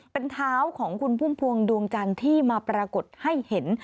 เป็นเท้าของคุณพุ่มพวงดวงจันทร์ที่มาปรากฏให้เห็น